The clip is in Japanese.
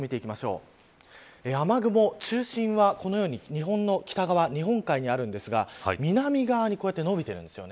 雨雲、中心は日本の北側日本海にあるんですが南側に伸びているんです。